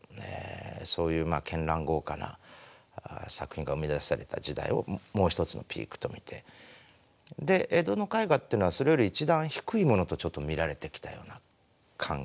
そういう絢爛豪華な作品が生み出された時代をもう一つのピークと見てで江戸の絵画というのはそれより一段低いものと見られてきたような感がある。